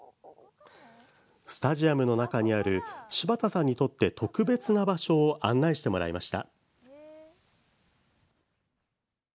スタジアムの中にある柴田さんにとって特別な場所を案内してもらいました。